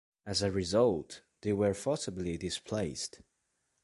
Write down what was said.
As a result, they were forcibly displaced.